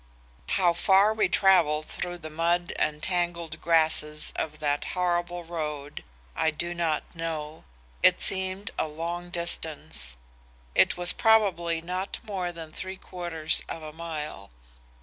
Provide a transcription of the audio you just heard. "How far we travelled through the mud and tangled grasses of that horrible road I do not know. It seemed a long distance; it was probably not more than three quarters of a mile.